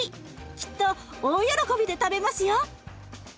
きっと大喜びで食べますよ！